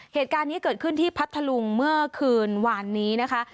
เหตุการณ์นี้เกิดขึ้นที่พัทธลุงเมื่อคืนวานนี้นะคะ